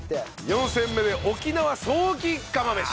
４戦目で沖縄ソーキ釜飯。